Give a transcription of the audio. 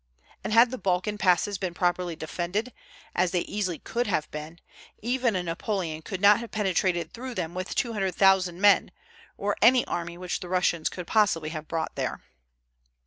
And had the Balkan passes been properly defended, as they easily could have been, even a Napoleon could not have penetrated them with two hundred thousand men, or any army which the Russians could possibly have brought there.